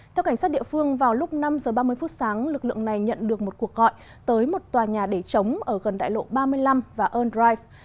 theo cảnh sát địa phương vào lúc năm giờ ba mươi phút sáng lực lượng này nhận được một cuộc gọi tới một tòa nhà để chống ở gần đại lộ ba mươi năm và earn drive